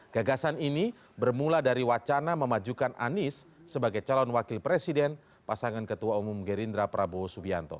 gagasan ini bermula dari wacana memajukan anies sebagai calon wakil presiden pasangan ketua umum gerindra prabowo subianto